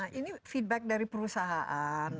nah ini feedback dari perusahaan